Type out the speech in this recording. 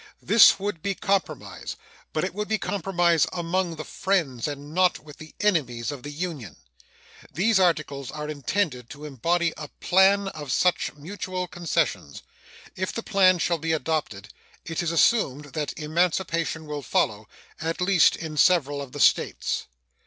This would be compromise, but it would be compromise among the friends and not with the enemies of the Union. These articles are intended to embody a plan of such mutual concessions. If the plan shall be adopted, it is assumed that emancipation will follow, at least in several of the States.